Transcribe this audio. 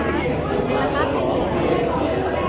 ขอบคุณหนึ่งนะคะขอบคุณหนึ่งนะคะ